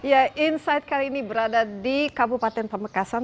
ya insight kali ini berada di kabupaten pamekasan